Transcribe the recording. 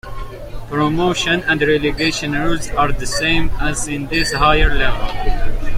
Promotion and relegation rules are the same as in this higher level.